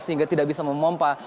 sehingga tidak bisa memompa